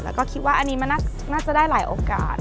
แล้วก็คิดว่าอันนี้มันน่าจะได้หลายโอกาส